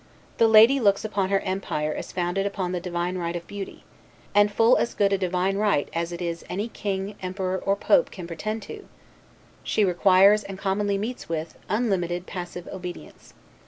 The lady looks upon her empire as founded upon the divine right of beauty (and full as good a divine right it is as any king, emperor, or pope, can pretend to); she requires, and commonly meets with, unlimited passive obedience.